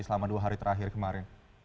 selama dua hari terakhir kemarin